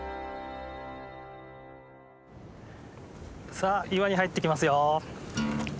さあ岩に入っていきますよ！